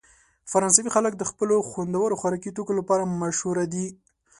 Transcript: فرانسوي خلک د خپلو خوندورو خوراکي توکو لپاره مشهوره دي.